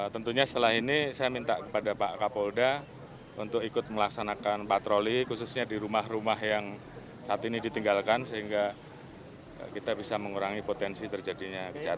tentunya setelah ini saya minta kepada pak kapolda untuk ikut melaksanakan patroli khususnya di rumah rumah yang saat ini ditinggalkan sehingga kita bisa mengurangi potensi terjadinya kecelakaan